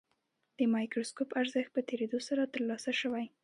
د مایکروسکوپ ارزښت په تېرېدو سره ترلاسه شوی.